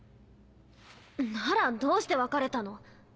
ならどうして別れたの？